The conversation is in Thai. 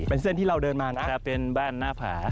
เป็นเส้นที่เราเดินมานะจะเป็นบ้านหน้าผา